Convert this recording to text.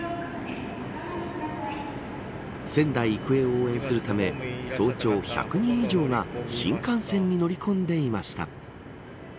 仙台育英を応援するため早朝、１００人以上が新幹線に乗り込んでいました。